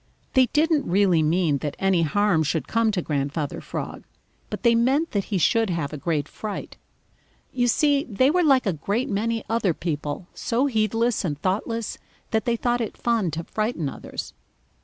They didn't really mean that any harm should come to Grandfather Frog, but they meant that he should have a great fright. You see, they were like a great many other people, so heedless and thoughtless that they thought it fun to frighten others.